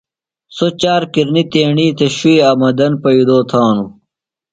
سوۡ چار کِرنیۡ تیݨی تھےۡ شُوئی آمدن پئیدو تھانوۡ۔